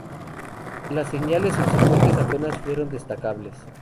Las señales subsecuentes apenas fueron detectables.